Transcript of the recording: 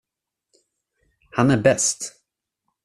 Han är bäst.